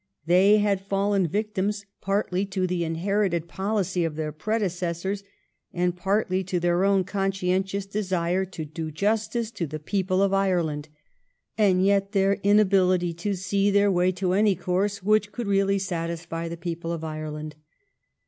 They had fallen victims partly to the inherited policy of their predecessors and partly to their conscientious desire to do justice to the people of Ireland, and yet their inability to see their way to any course which could really satisfy the people of Ireland.